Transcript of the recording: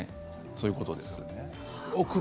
そういうことです。